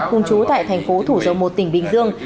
khung chú tại tp thủ dâu một tp vĩnh long